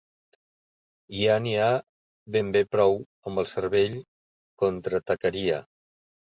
Ja n'hi ha ben bé prou, amb el cervell — contraatacaria.